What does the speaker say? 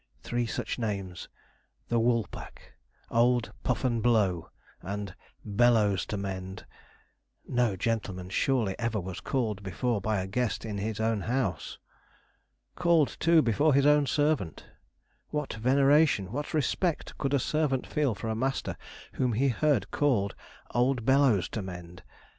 Three such names the 'Woolpack,' 'Old puff and blow,' and 'Bellows to mend' no gentleman, surely, ever was called before by a guest, in his own house. Called, too, before his own servant. What veneration, what respect, could a servant feel for a master whom he heard called 'Old bellows to mend'?